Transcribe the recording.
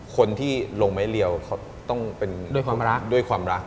คนที่ลงไม้เรียวเค้าต้องเป็นด้วยความรัก